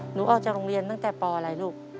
หนูออกจากโรงเรียนตั้งแต่ปอะไรลูก